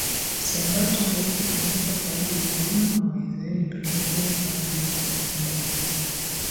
Sabato haikufanyika kwa ajili ya wana wa Israeli pekee bali kwa ajili ya Adam